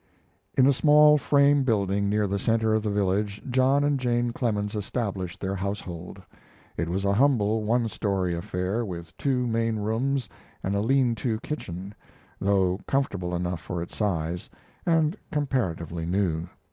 In a small frame building near the center of the village, John and Jane Clemens established their household. It was a humble one story affair, with two main rooms and a lean to kitchen, though comfortable enough for its size, and comparatively new.